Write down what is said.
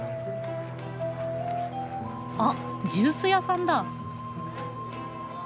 あっジュース屋さんだ。